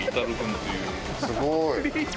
すごい。